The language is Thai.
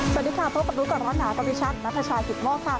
สวัสดีค่ะพบกับรู้กับร้อนหาก็มีชัดนักประชาหิตม่อค่ะ